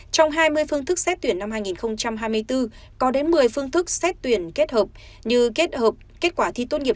trong hai mươi phương thức xét tuyển năm hai nghìn hai mươi bốn có đến một mươi phương thức xét tuyển kết hợp như kết hợp kết quả thi tốt nghiệp